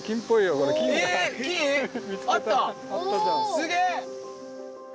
すげえ！